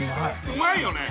うまいよね。